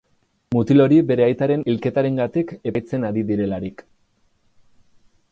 Mutil hori bere aitaren hilketarengatik epaitzen ari direlarik.